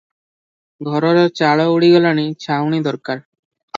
ଘରର ଚାଳ ଉଡ଼ିଗଲାଣି, ଛାଉଣି ଦରକାର ।